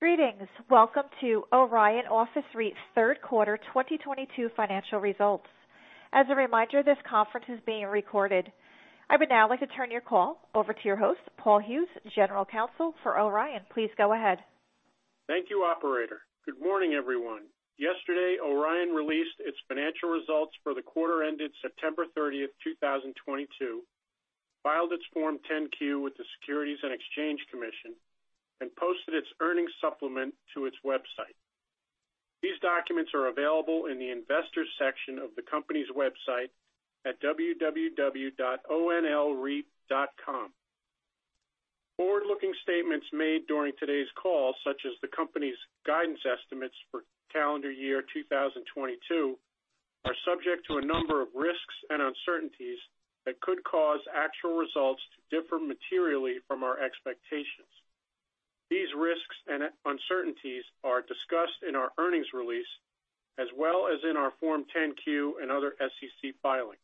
Greetings. Welcome to Orion Office REIT's third quarter 2022 financial results. As a reminder, this conference is being recorded. I would now like to turn your call over to your host, Paul Hughes, General Counsel for Orion. Please go ahead. Thank you, operator. Good morning, everyone. Yesterday, Orion released its financial results for the quarter ended September 30, 2022, filed its Form 10-Q with the Securities and Exchange Commission, and posted its earnings supplement to its website. These documents are available in the investors section of the company's website at www.onlreit.com. Forward-looking statements made during today's call, such as the company's guidance estimates for calendar year 2022, are subject to a number of risks and uncertainties that could cause actual results to differ materially from our expectations. These risks and uncertainties are discussed in our earnings release, as well as in our Form 10-Q and other SEC filings.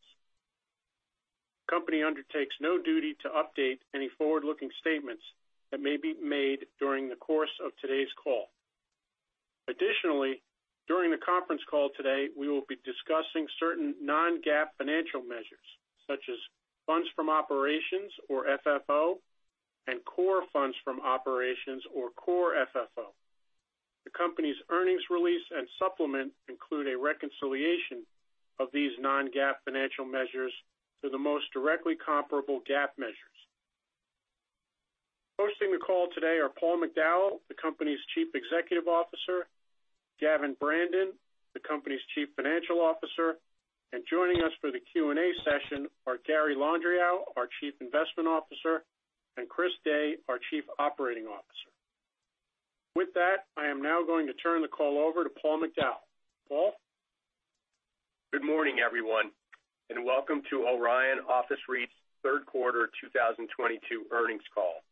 The company undertakes no duty to update any forward-looking statements that may be made during the course of today's call. Additionally, during the conference call today, we will be discussing certain non-GAAP financial measures, such as funds from operations or FFO, and core funds from operations or core FFO. The company's earnings release and supplement include a reconciliation of these non-GAAP financial measures to the most directly comparable GAAP measures. Hosting the call today are Paul McDowell, the company's Chief Executive Officer, Gavin Brandon, the company's Chief Financial Officer, and joining us for the Q&A session are Gary Landriau, our Chief Investment Officer, and Chris Day, our Chief Operating Officer. With that, I am now going to turn the call over to Paul McDowell. Paul? Good morning, everyone, and welcome to Orion Properties' third quarter 2022 earnings call.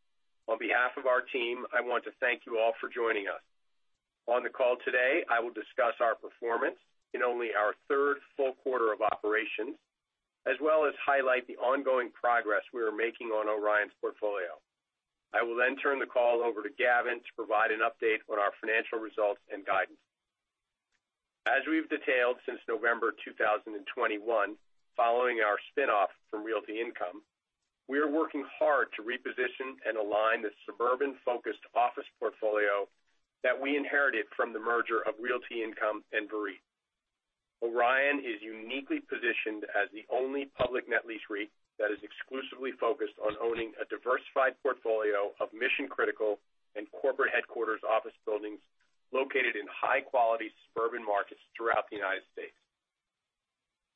On behalf of our team, I want to thank you all for joining us. On the call today, I will discuss our performance in only our third full quarter of operations, as well as highlight the ongoing progress we are making on Orion's portfolio. I will then turn the call over to Gavin to provide an update on our financial results and guidance. As we've detailed since November 2021, following our spin-off from Realty Income, we are working hard to reposition and align the suburban-focused office portfolio that we inherited from the merger of Realty Income and VEREIT. Orion is uniquely positioned as the only public net lease REIT that is exclusively focused on owning a diversified portfolio of mission-critical and corporate headquarters office buildings located in high-quality suburban markets throughout the United States.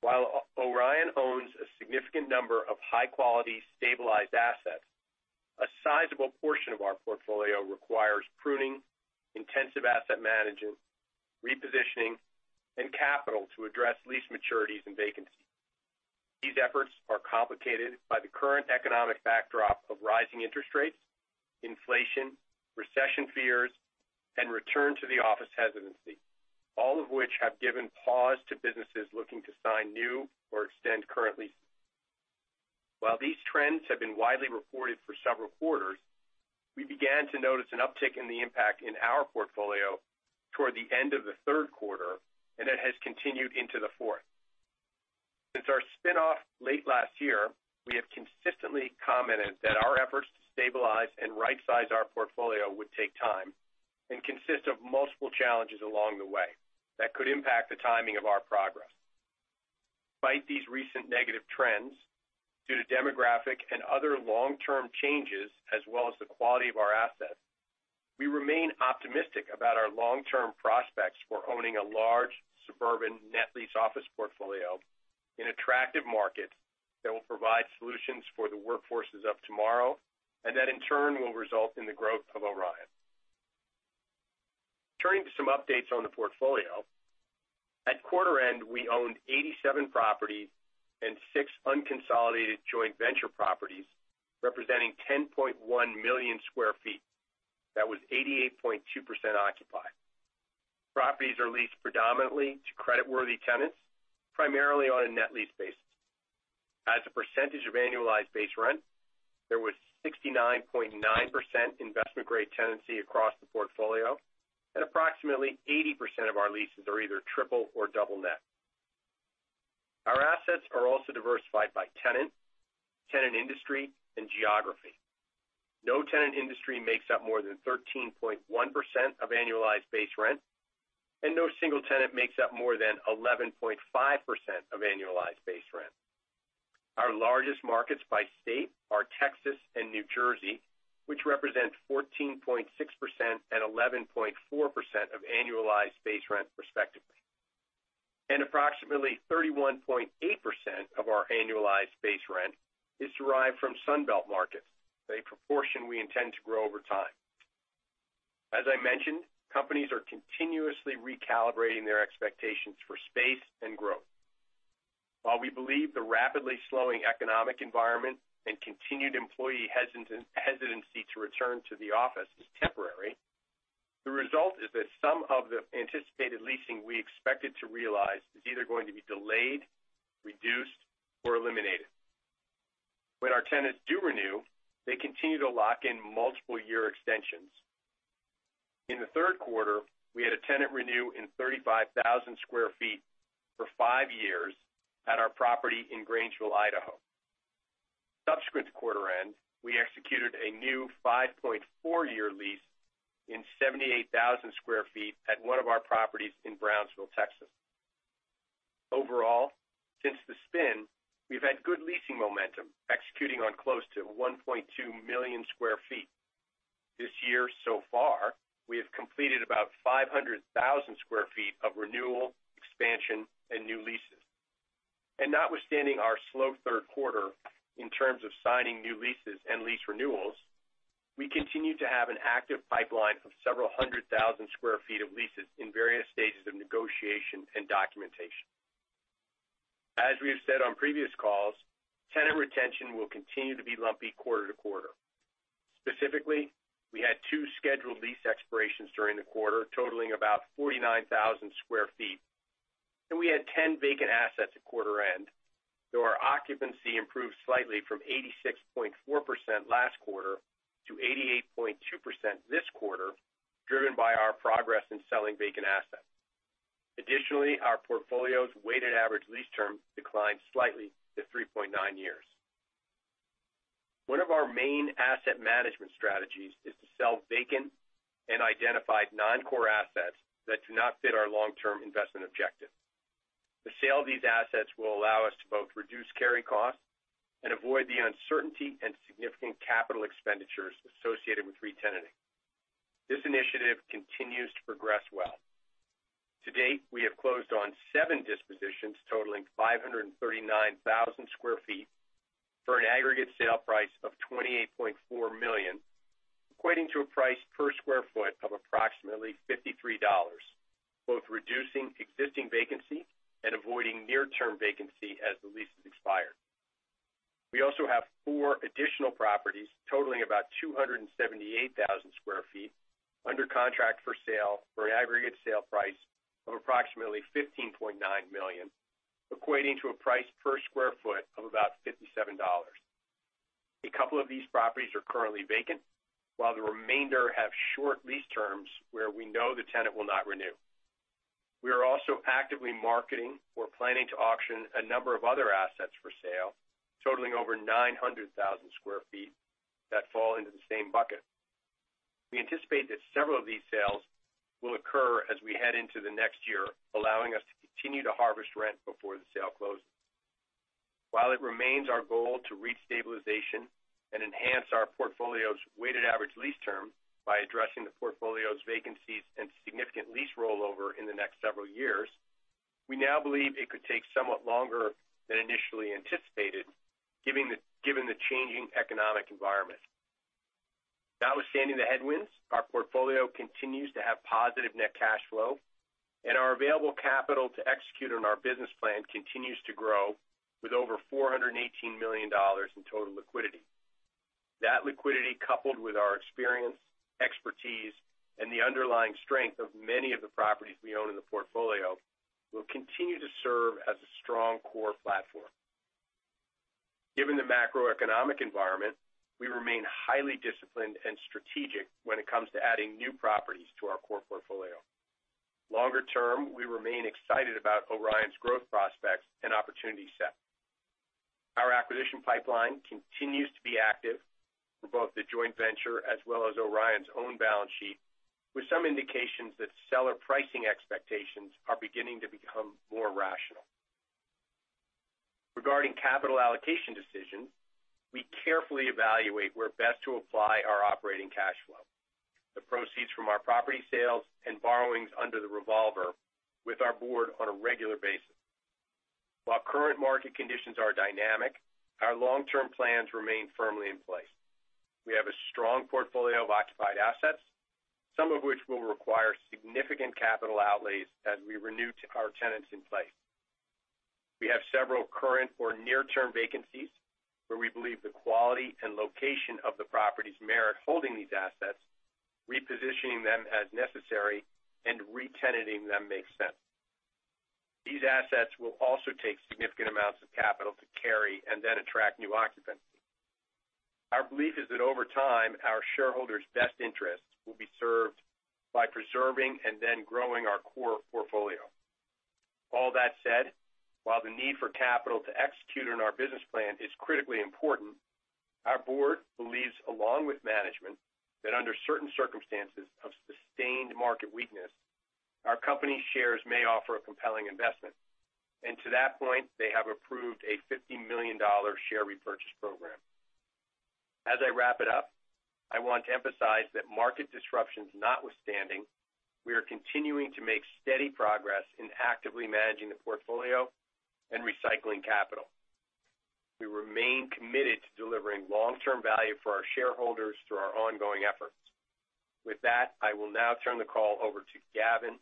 While Orion owns a significant number of high-quality, stabilized assets, a sizable portion of our portfolio requires pruning, intensive asset management, repositioning, and capital to address lease maturities and vacancy. These efforts are complicated by the current economic backdrop of rising interest rates, inflation, recession fears, and return to the office hesitancy, all of which have given pause to businesses looking to sign new or extend currently. While these trends have been widely reported for several quarters, we began to notice an uptick in the impact in our portfolio toward the end of the third quarter, and it has continued into the fourth. Since our spin-off late last year, we have consistently commented that our efforts to stabilize and right-size our portfolio would take time and consist of multiple challenges along the way that could impact the timing of our progress. Despite these recent negative trends, due to demographic and other long-term changes, as well as the quality of our assets, we remain optimistic about our long-term prospects for owning a large suburban net lease office portfolio in attractive markets that will provide solutions for the workforces of tomorrow and that, in turn, will result in the growth of Orion. Turning to some updates on the portfolio. At quarter end, we owned 87 properties and six unconsolidated joint venture properties, representing 10.1 million sq ft. That was 88.2% occupied. Properties are leased predominantly to creditworthy tenants, primarily on a net lease basis. As a percentage of annualized base rent, there was 69.9% investment-grade tenancy across the portfolio, and approximately 80% of our leases are either triple or double net. Our assets are also diversified by tenant industry, and geography. No tenant industry makes up more than 13.1% of annualized base rent, and no single tenant makes up more than 11.5% of annualized base rent. Our largest markets by state are Texas and New Jersey, which represent 14.6% and 11.4% of annualized base rent respectively. Approximately 31.8% of our annualized base rent is derived from Sunbelt markets, a proportion we intend to grow over time. As I mentioned, companies are continuously recalibrating their expectations for space and growth. While we believe the rapidly slowing economic environment and continued employee hesitancy to return to the office is temporary, the result is that some of the anticipated leasing we expected to realize is either going to be delayed, reduced, or eliminated. When our tenants do renew, they continue to lock in multiple year extensions. In the third quarter, we had a tenant renew in 35,000 sq ft for 5 years at our property in Grangeville, Idaho. Subsequent to quarter end, we executed a new 5.4-year lease in 78,000 sq ft at one of our properties in Brownsville, Texas. Overall, since the spin, we've had good leasing momentum, executing on close to 1.2 million sq ft. This year so far, we have completed about 500,000 sq ft of renewal, expansion, and new leases. Notwithstanding our slow third quarter in terms of signing new leases and lease renewals, we continue to have an active pipeline of several hundred thousand sq ft of leases in various stages of negotiation and documentation. As we have said on previous calls, tenant retention will continue to be lumpy quarter to quarter. Specifically, we had two scheduled lease expirations during the quarter, totaling about 49,000 sq ft. We had 10 vacant assets at quarter end, though our occupancy improved slightly from 86.4% last quarter to 88.2% this quarter, driven by our progress in selling vacant assets. Additionally, our portfolio's weighted average lease term declined slightly to 3.9 years. One of our main asset management strategies is to sell vacant and identified non-core assets that do not fit our long-term investment objective. The sale of these assets will allow us to both reduce carry costs and avoid the uncertainty and significant capital expenditures associated with re-tenanting. This initiative continues to progress well. To date, we have closed on 7 dispositions totaling 539,000 sq ft for an aggregate sale price of $28.4 million, equating to a price per square foot of approximately $53, both reducing existing vacancy and avoiding near-term vacancy as the lease is expired. We also have 4 additional properties totaling about 278,000 sq ft under contract for sale for an aggregate sale price of approximately $15.9 million, equating to a price per square foot of about $57. A couple of these properties are currently vacant, while the remainder have short lease terms where we know the tenant will not renew. We are also actively marketing or planning to auction a number of other assets for sale totaling over 900,000 sq ft that fall into the same bucket. We anticipate that several of these sales will occur as we head into the next year, allowing us to continue to harvest rent before the sale closes. While it remains our goal to reach stabilization and enhance our portfolio's weighted average lease term by addressing the portfolio's vacancies and significant lease rollover in the next several years, we now believe it could take somewhat longer than initially anticipated, given the changing economic environment. Notwithstanding the headwinds, our portfolio continues to have positive net cash flow, and our available capital to execute on our business plan continues to grow with over $418 million in total liquidity. That liquidity, coupled with our experience, expertise, and the underlying strength of many of the properties we own in the portfolio, will continue to serve as a strong core platform. Given the macroeconomic environment, we remain highly disciplined and strategic when it comes to adding new properties to our core portfolio. Longer term, we remain excited about Orion's growth prospects and opportunity set. Our acquisition pipeline continues to be active for both the joint venture as well as Orion's own balance sheet, with some indications that seller pricing expectations are beginning to become more rational. Regarding capital allocation decisions, we carefully evaluate where best to apply our operating cash flow, the proceeds from our property sales and borrowings under the revolver, with our board on a regular basis. While current market conditions are dynamic, our long-term plans remain firmly in place. We have a strong portfolio of occupied assets, some of which will require significant capital outlays as we renew our tenants in place. We have several current or near-term vacancies where we believe the quality and location of the properties merit holding these assets, repositioning them as necessary, and re-tenanting them makes sense. These assets will also take significant amounts of capital to carry and then attract new occupancy. Our belief is that over time, our shareholders' best interests will be served by preserving and then growing our core portfolio. All that said, while the need for capital to execute on our business plan is critically important, our board believes, along with management, that under certain circumstances of sustained market weakness, our company shares may offer a compelling investment. To that point, they have approved a $50 million share repurchase program. As I wrap it up, I want to emphasize that market disruptions notwithstanding, we are continuing to make steady progress in actively managing the portfolio and recycling capital. We remain committed to delivering long-term value for our shareholders through our ongoing efforts. With that, I will now turn the call over to Gavin,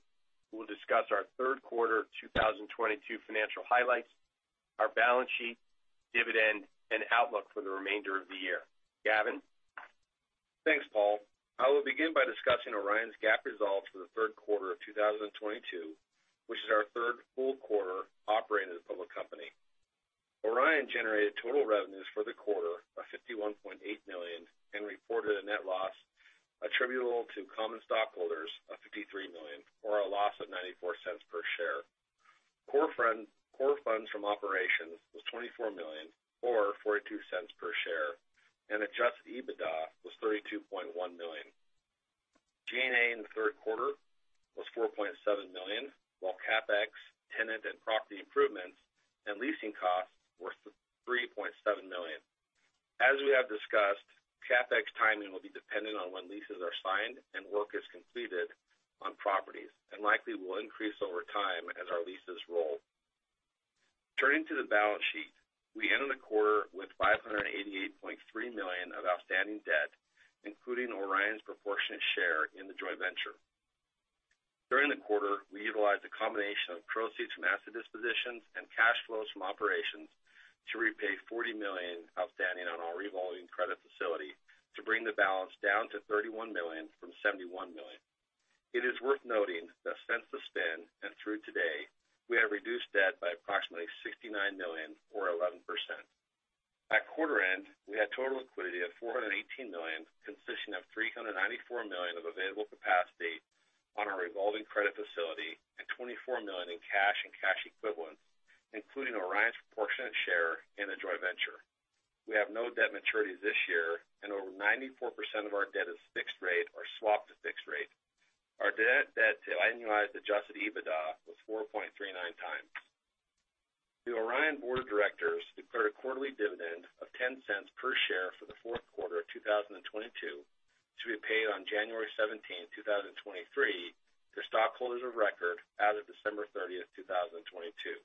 who will discuss our third quarter 2022 financial highlights, our balance sheet, dividend, and outlook for the remainder of the year. Gavin? We'll begin by discussing Orion's GAAP results for the third quarter of 2022, which is our third full quarter operating as a public company. Orion generated total revenues for the quarter of $51.8 million, and reported a net loss attributable to common stockholders of $53 million, or a loss of $0.94 per share. Core FFO, core funds from operations was $24 million or $0.42 per share, and adjusted EBITDA was $32.1 million. G&A in the third quarter was $4.7 million, while CapEx, tenant and property improvements and leasing costs were $3.7 million. As we have discussed, CapEx timing will be dependent on when leases are signed and work is completed on properties, and likely will increase over time as our leases roll. Turning to the balance sheet. We ended the quarter with $588.3 million of outstanding debt, including Orion's proportionate share in the joint venture. During the quarter, we utilized a combination of proceeds from asset dispositions and cash flows from operations to repay $40 million outstanding on our revolving credit facility to bring the balance down to $31 million from $71 million. It is worth noting that since the spin and through today, we have reduced debt by approximately $69 million or 11%. At quarter end, we had total liquidity of $418 million, consisting of $394 million of available capacity on our revolving credit facility and $24 million in cash and cash equivalents, including Orion's proportionate share in the joint venture. We have no debt maturities this year, and over 94% of our debt is fixed rate or swapped to fixed rate. Our debt to annualized adjusted EBITDA was 4.39x. The Orion Board of Directors declared a quarterly dividend of $0.10 per share for the fourth quarter of 2022 to be paid on January 17, 2023 to stockholders of record as of December 30, 2022.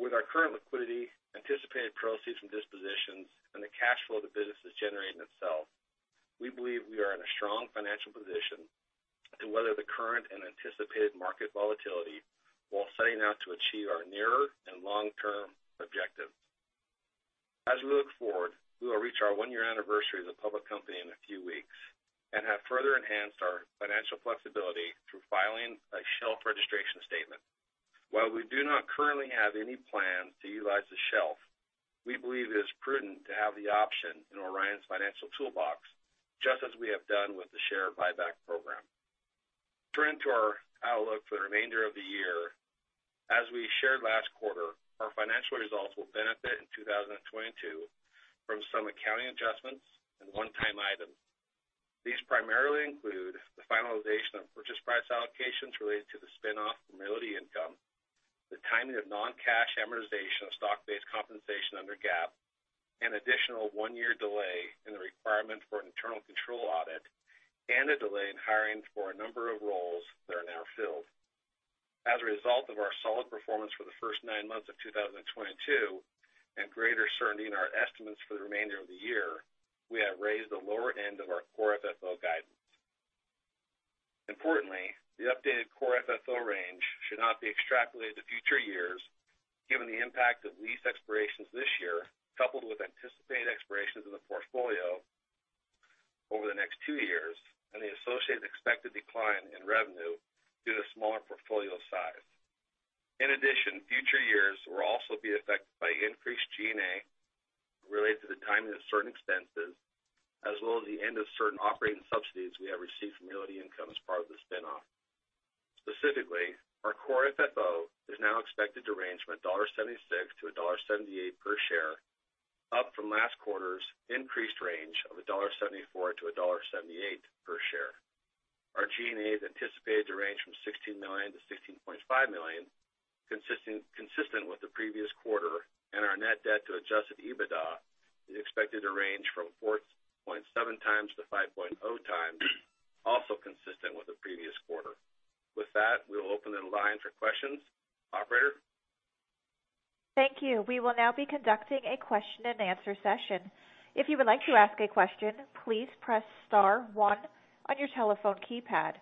With our current liquidity, anticipated proceeds from dispositions, and the cash flow the business is generating itself, we believe we are in a strong financial position to weather the current and anticipated market volatility while setting out to achieve our nearer and long-term objective. As we look forward, we will reach our one-year anniversary as a public company in a few weeks and have further enhanced our financial flexibility through filing a shelf registration statement. While we do not currently have any plan to utilize the shelf, we believe it is prudent to have the option in Orion's financial toolbox, just as we have done with the share buyback program. Turning to our outlook for the remainder of the year. As we shared last quarter, our financial results will benefit in 2022 from some accounting adjustments and one-time items. These primarily include the finalization of purchase price allocations related to the spin-off from Realty Income, the timing of non-cash amortization of stock-based compensation under GAAP, an additional one-year delay in the requirement for an internal control audit, and a delay in hiring for a number of roles that are now filled. As a result of our solid performance for the first nine months of 2022 and greater certainty in our estimates for the remainder of the year, we have raised the lower end of our core FFO guidance. Importantly, the updated core FFO range should not be extrapolated to future years given the impact of lease expirations this year, coupled with anticipated expirations in the portfolio over the next two years and the associated expected decline in revenue due to smaller portfolio size. In addition, future years will also be affected by increased G&A related to the timing of certain expenses as well as the end of certain operating subsidies we have received from Realty Income as part of the spin-off. Specifically, our Core FFO is now expected to range from $1.76 to $1.78 per share, up from last quarter's increased range of $1.74 to $1.78 per share. Our G&A is anticipated to range from $16 million to $16.5 million, consistent with the previous quarter, and our net debt to adjusted EBITDA is expected to range from 4.7x to 5.0x, also consistent with the previous quarter. With that, we will open the line for questions. Operator? Thank you. We will now be conducting a question-and-answer session. If you would like to ask a question, please press star one on your telephone keypad.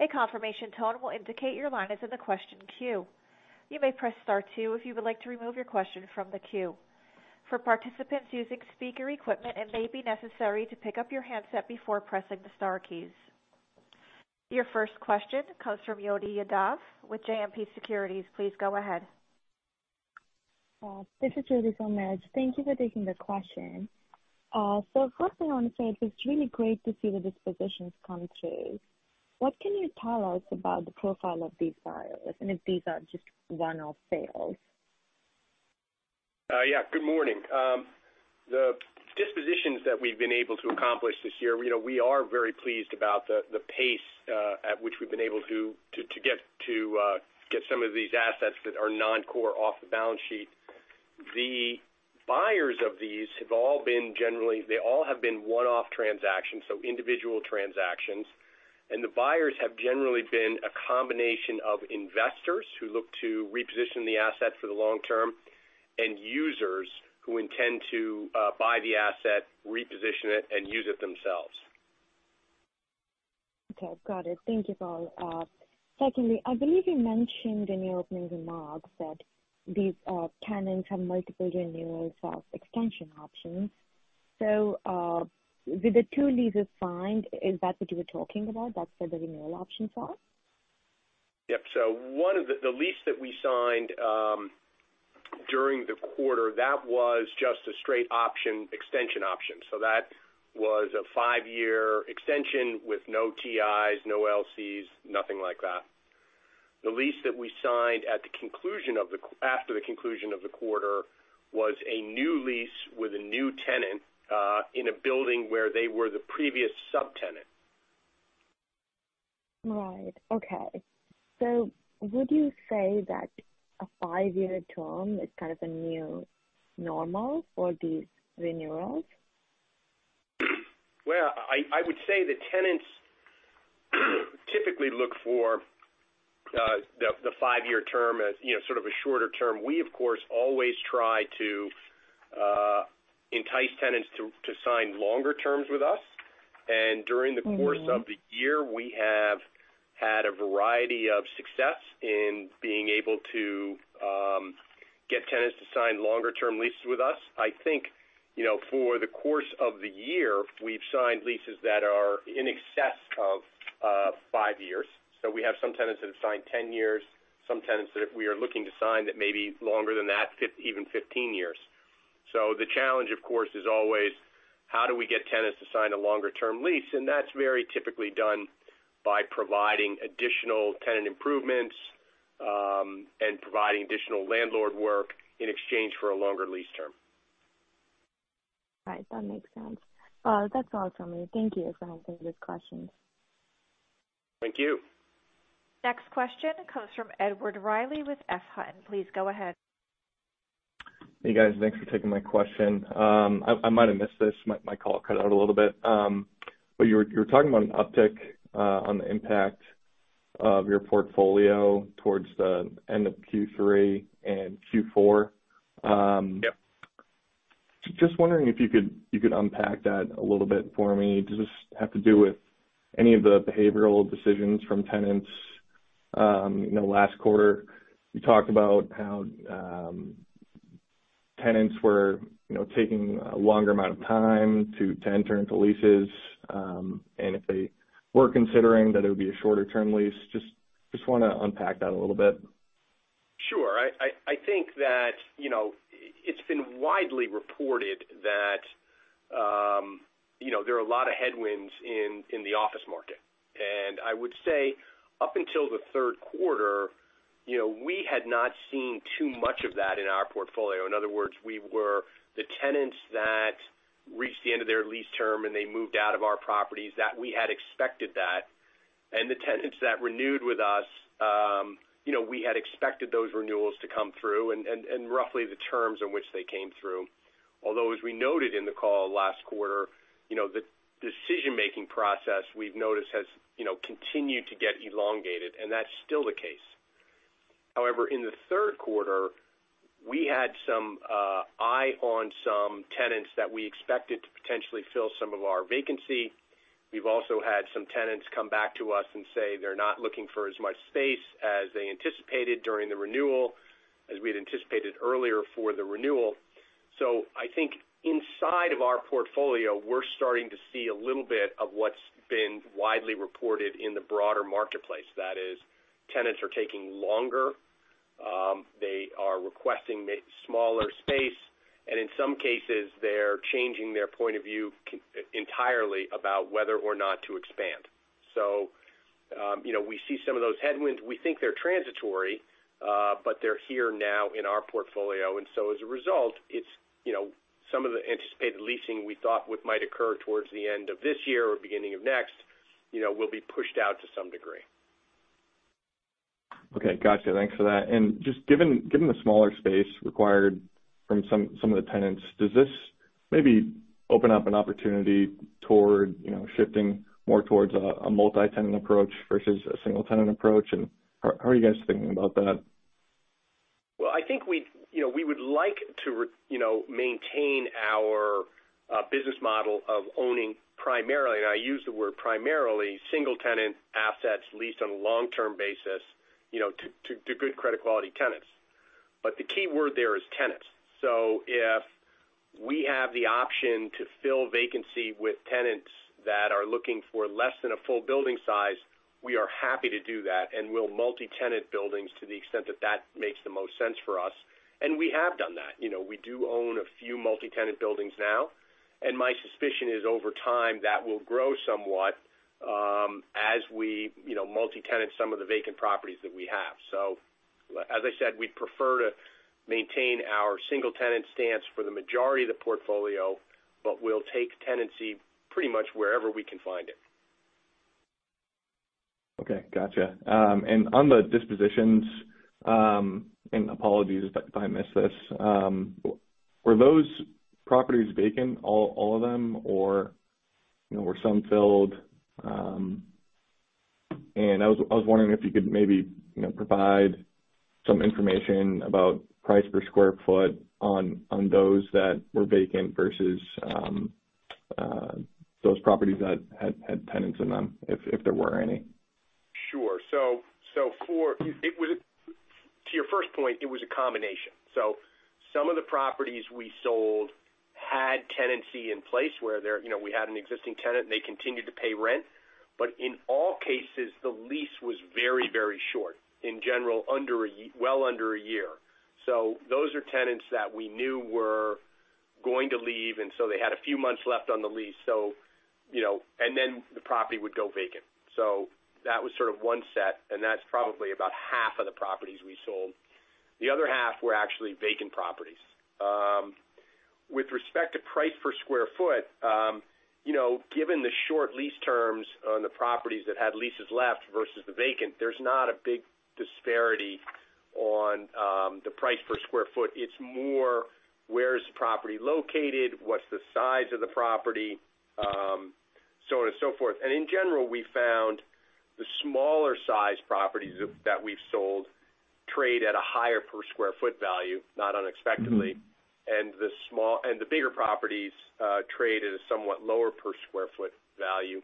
A confirmation tone will indicate your line is in the question queue. You may press star two if you would like to remove your question from the queue. For participants using speaker equipment, it may be necessary to pick up your handset before pressing the star keys. Your first question comes from Mitch Germain with JMP Securities. Please go ahead. This is Mitch Germain. Thank you for taking the question. First I wanna say it was really great to see the dispositions come through. What can you tell us about the profile of these buyers, and if these are just one-off sales? Yeah, good morning. The dispositions that we've been able to accomplish this year, you know, we are very pleased about the pace at which we've been able to get some of these assets that are non-core off the balance sheet. The buyers of these have all been generally. They all have been one-off transactions, so individual transactions. The buyers have generally been a combination of investors who look to reposition the asset for the long term, and users who intend to buy the asset, reposition it, and use it themselves. Okay. Got it. Thank you, Paul. Secondly, I believe you mentioned in your opening remarks that these tenants have multiple renewals of extension options. With the two leases signed, is that what you were talking about? That's where the renewal options are? Yep. One of the lease that we signed during the quarter was just a straight option, extension option. That was a five-year extension with no TIs, no LCs, nothing like that. The lease that we signed after the conclusion of the quarter was a new lease with a new tenant in a building where they were the previous subtenant. Right. Okay. Would you say that a five-year term is kind of a new normal for these renewals? Well, I would say the tenants typically look for the five-year term as, you know, sort of a shorter term. We, of course, always try to entice tenants to sign longer terms with us. During the Mm-hmm. Over the course of the year, we have had a variety of success in being able to get tenants to sign longer term leases with us. I think, you know, for the course of the year, we've signed leases that are in excess of 5 years. We have some tenants that have signed 10 years, some tenants that we are looking to sign that may be longer than that, even 15 years. The challenge, of course, is always how do we get tenants to sign a longer-term lease? That's very typically done by providing additional tenant improvements and providing additional landlord work in exchange for a longer lease term. Right. That makes sense. That's all from me. Thank you for answering these questions. Thank you. Next question comes from Edward Riley with EF Hutton. Please go ahead. Hey, guys. Thanks for taking my question. I might have missed this. My call cut out a little bit. You were talking about an uptick on the impact of your portfolio towards the end of Q3 and Q4. Yep. Just wondering if you could unpack that a little bit for me. Does this have to do with any of the behavioral decisions from tenants? In the last quarter, you talked about how tenants were, you know, taking a longer amount of time to enter into leases, and if they were considering that it would be a shorter-term lease. Just wanna unpack that a little bit. Sure. I think that, you know, it's been widely reported that, you know, there are a lot of headwinds in the office market. I would say up until the third quarter, you know, we had not seen too much of that in our portfolio. In other words, we were the tenants that reached the end of their lease term, and they moved out of our properties that we had expected that. The tenants that renewed with us, you know, we had expected those renewals to come through and roughly the terms in which they came through. Although as we noted in the call last quarter, you know, the decision-making process we've noticed has, you know, continued to get elongated, and that's still the case. However, in the third quarter, we had an eye on some tenants that we expected to potentially fill some of our vacancy. We've also had some tenants come back to us and say they're not looking for as much space as they anticipated during the renewal, as we had anticipated earlier for the renewal. I think inside of our portfolio, we're starting to see a little bit of what's been widely reported in the broader marketplace. That is, tenants are taking longer, they are requesting smaller space, and in some cases, they're changing their point of view entirely about whether or not to expand. You know, we see some of those headwinds. We think they're transitory, but they're here now in our portfolio, and so as a result, it's, you know, some of the anticipated leasing we thought what might occur towards the end of this year or beginning of next, you know, will be pushed out to some degree. Okay. Gotcha. Thanks for that. Just given the smaller space required from some of the tenants, does this maybe open up an opportunity toward, you know, shifting more towards a multi-tenant approach versus a single-tenant approach? And how are you guys thinking about that? Well, I think you know, we would like to you know, maintain our business model of owning primarily, and I use the word primarily, single-tenant assets leased on a long-term basis, you know, to good credit quality tenants. The key word there is tenants. If we have the option to fill vacancy with tenants that are looking for less than a full building size, we are happy to do that and we'll multi-tenant buildings to the extent that that makes the most sense for us. We have done that. You know, we do own a few multi-tenant buildings now, and my suspicion is over time, that will grow somewhat, as we you know, multi-tenant some of the vacant properties that we have. as I said, we'd prefer to maintain our single-tenant stance for the majority of the portfolio, but we'll take tenancy pretty much wherever we can find it. Okay. Gotcha. On the dispositions, apologies if I missed this. Were those properties vacant, all of them, or you know, were some filled? I was wondering if you could maybe, you know, provide some information about price per sq ft on those that were vacant versus those properties that had tenants in them, if there were any. Sure. To your first point, it was a combination. Some of the properties we sold had tenancy in place where there, you know, we had an existing tenant, and they continued to pay rent. In all cases, the lease was very, very short, in general, well under a year. Those are tenants that we knew were going to leave, and so they had a few months left on the lease, so, you know, and then the property would go vacant. That was sort of one set, and that's probably about half of the properties we sold. The other half were actually vacant properties. With respect to price per sq ft, you know, given the short lease terms on the properties that had leases left versus the vacant, there's not a big disparity on the price per sq ft. It's more, where's the property located? What's the size of the property? So on and so forth. In general, we found the smaller size properties that we've sold trade at a higher per sq ft value, not unexpectedly. Mm-hmm. The bigger properties trade at a somewhat lower per sq ft value.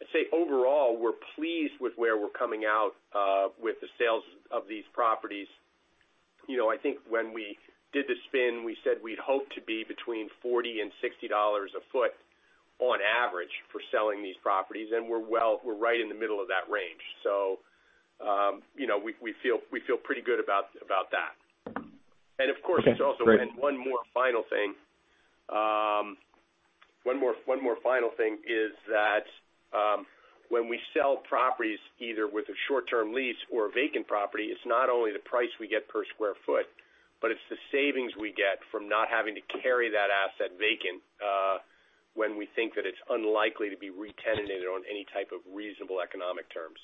I'd say overall, we're pleased with where we're coming out with the sales of these properties. You know, I think when we did the spin, we said we'd hoped to be between $40 and $60 a sq ft on average for selling these properties, and we're right in the middle of that range. You know, we feel pretty good about that. Okay, great. One more final thing is that when we sell properties, either with a short-term lease or a vacant property, it's not only the price we get per square foot, but it's the savings we get from not having to carry that asset vacant when we think that it's unlikely to be re-tenanted on any type of reasonable economic terms.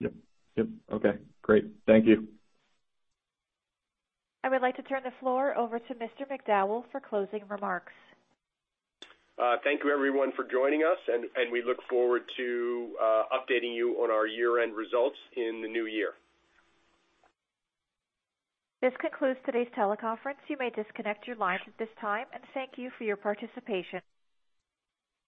Yep. Okay, great. Thank you. I would like to turn the floor over to Mr. McDowell for closing remarks. Thank you everyone for joining us, and we look forward to updating you on our year-end results in the new year. This concludes today's teleconference. You may disconnect your lines at this time, and thank you for your participation.